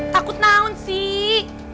takut naun sih